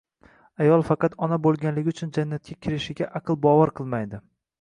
Ayol faqat ona bo'lganligi uchun jannatga kirishiga aql bovar qilmaydi.